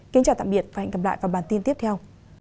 kính chào tạm biệt và hẹn gặp lại vào bản tin tiếp theo